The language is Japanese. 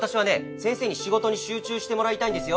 先生に仕事に集中してもらいたいんですよ。